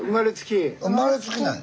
生まれつきなんや。